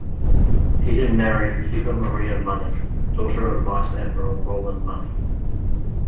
Eden married Eva Maria Money, daughter of Vice-Admiral Rowland Money.